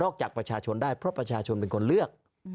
จากประชาชนได้เพราะประชาชนเป็นคนเลือก